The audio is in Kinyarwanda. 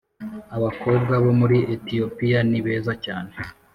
Abakobwa bo muri Etiyopiya ni beza cyane